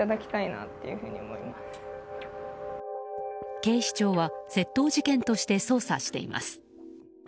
警視庁は窃盗事件として捜査しています。